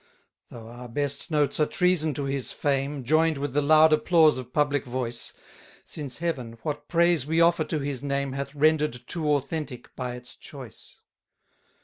2 Though our best notes are treason to his fame, Join'd with the loud applause of public voice; Since Heaven, what praise we offer to his name, Hath render'd too authentic by its choice.